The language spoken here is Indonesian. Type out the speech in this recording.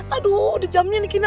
aduh udah jamnya nih kina